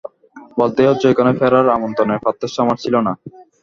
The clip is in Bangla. বলতেই হচ্ছে এখানে ফেরার আমন্ত্রণের প্রত্যাশা আমার ছিল না।